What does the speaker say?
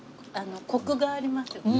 コクがありますよね